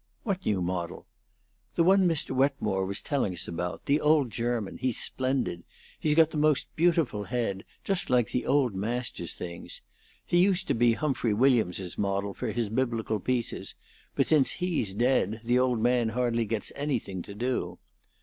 "What new model?" "The one Mr. Wetmore was telling us about the old German; he's splendid. He's got the most beautiful head; just like the old masters' things. He used to be Humphrey Williams's model for his Biblical pieces; but since he's dead, the old man hardly gets anything to do.